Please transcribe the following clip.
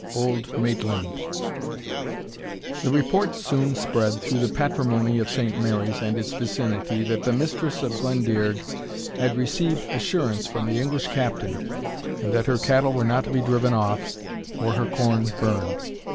AULD MAITLAND. The report soon spread through the patrimony of Saint Mary's and its vicinity, that the Mistress of Glendearg had received assurance from the English Captain, and that her cattle were not to be driven off, or her corn burned.